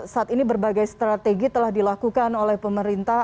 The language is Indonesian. saat ini berbagai strategi telah dilakukan oleh pemerintah